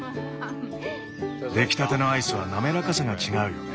出来たてのアイスはなめらかさが違うよね。